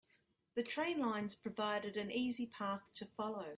The train lines provided an easy path to follow.